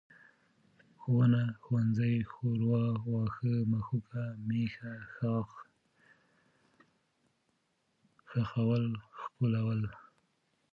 ښوونه، ښوونځی، ښوروا، واښه، مښوکه، مېښه، ښاخ، ښخول، ښکلول